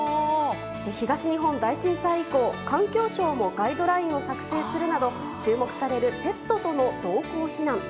東日本大震災以降、環境省もガイドラインを作成するなど注目されるペットとの同行避難。